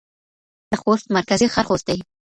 د خوست مرکزي ښار خوست دی.